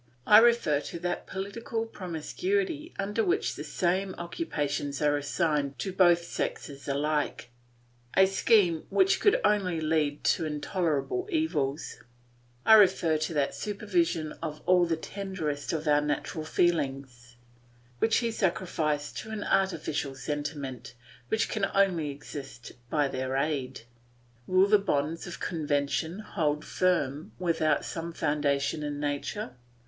I refer to that political promiscuity under which the same occupations are assigned to both sexes alike, a scheme which could only lead to intolerable evils; I refer to that subversion of all the tenderest of our natural feelings, which he sacrificed to an artificial sentiment which can only exist by their aid. Will the bonds of convention hold firm without some foundation in nature?